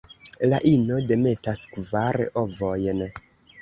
La ino demetas kvar ovojn.